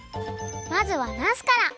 まずはなすから。